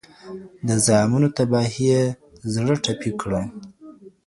د زامنو تباهي یې زړه ټپي کړ